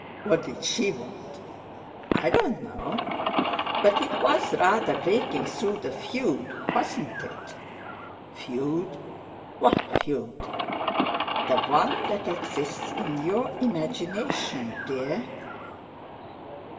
"What did she want?" "I don't know. But it was rather breaking through the feud, wasn't it?" "Feud? What feud?" "The one that exists in your imagination, dear."